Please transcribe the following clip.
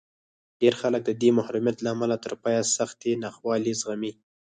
ډېر خلک د دې محرومیت له امله تر پایه سختې ناخوالې زغمي